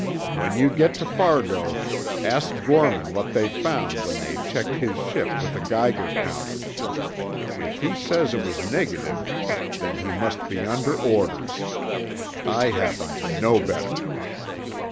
When you get to Fargo, ask Gorman what they found when they checked his ship with a Geiger counter. If he says it was negative, then he must be under orders. I happen to know better.